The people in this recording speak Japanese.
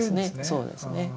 そうですね。